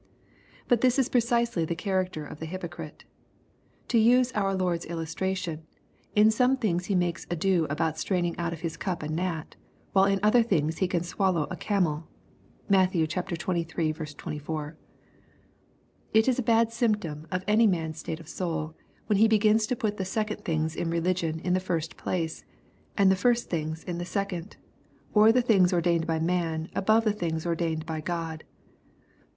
But this is precisely the character of the hypocrite. To use our Lord's illustra tion^ in some things he makes ado about straining oat of his cup a gnat, while in other things he can swallow a cameL (Matt, xxiii. 24.) It is a bad symptom of any man's state of soul, when he begins to put the second things in religion in the first place, and the first things in the second, or the things ordained by man above the things ordained by God.